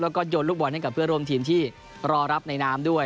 ก็ต้องมีคนโจทย์หลุดบอสให้กับเพื่อนร่วมทีมที่ร้อรับในน้ำด้วย